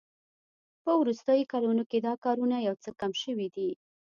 په وروستیو کلونو کې دا کارونه یو څه کم شوي دي